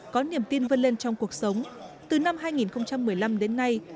có niềm tin vân lên trong cuộc sống từ năm hai nghìn một mươi năm đến nay